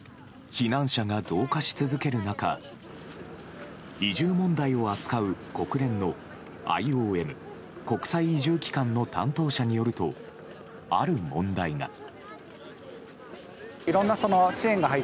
避難者が増加し続ける中移住問題を扱う国連のＩＯＭ・国際移住機関の担当者によると、ある問題が。